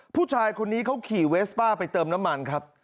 ผู้ชายคนนี้เขาขี่เวสป้าไปเติมน้ำมันครับ